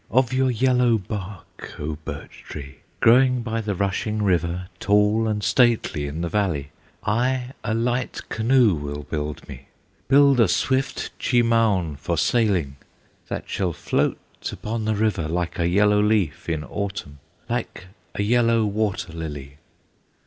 Of your yellow bark, O Birch tree! Growing by the rushing river, Tall and stately in the valley! I a light canoe will build me, Build a swift Cheemaun for sailing, That shall float upon the river, Like a yellow leaf in Autumn, Like a yellow water lily!